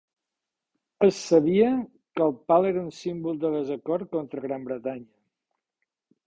Es sabia que el pal era un símbol de desacord contra Gran Bretanya.